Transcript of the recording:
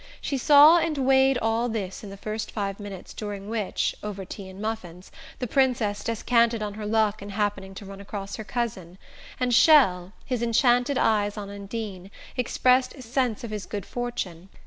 She saw and weighed all this in the first five minutes during which, over tea and muffins, the Princess descanted on her luck in happening to run across her cousin, and Chelles, his enchanted eyes on Undine, expressed his sense of his good fortune.